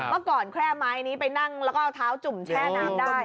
เมื่อก่อนแค่ไม้นี้ไปนั่งแล้วก็เอาเท้าจุ่มแช่น้ำได้